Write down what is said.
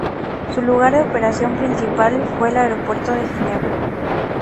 Su lugar de operación principal fue el Aeropuerto de Ginebra.